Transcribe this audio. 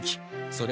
それ。